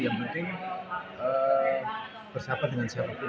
yang penting bersahabat dengan siapapun